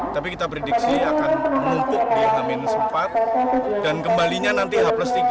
tapi kita prediksi akan menumpuk di h empat dan kembalinya nanti h tiga